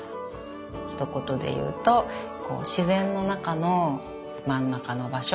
ひと言でいうとこう自然の中の真ん中の場所。